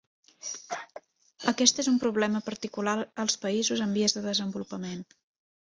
Aquest és un problema particular als països en vies de desenvolupament.